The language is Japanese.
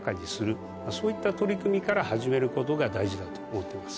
そういった取り組みから始めることが大事だと思ってます。